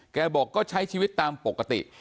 บอกก็ใช้ชีวิตตามปกติ